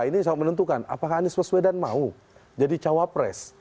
ini yang menentukan apakah anies waswenan mau jadi cawapres